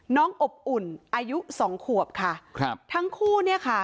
อบอุ่นอายุสองขวบค่ะครับทั้งคู่เนี่ยค่ะ